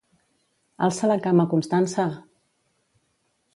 Alça la cama, Constança!